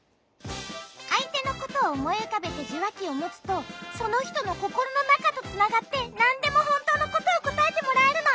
あいてのことをおもいうかべてじゅわきをもつとそのひとのココロのなかとつながってなんでもほんとうのことをこたえてもらえるの！